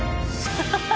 ハハハハ。